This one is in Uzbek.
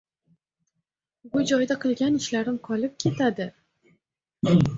Bu joyda qilgan ishlarim qolib ketadi.